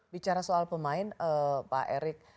bicara soal pemain pak erik